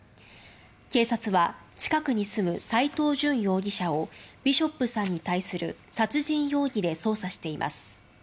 警察は近くに住む斎藤淳容疑者をビショップさんに対する殺人容疑で捜査しています。